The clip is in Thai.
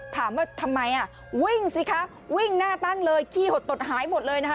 ถามว่าทำไมอ่ะวิ่งสิคะวิ่งหน้าตั้งเลยขี้หดตดหายหมดเลยนะคะ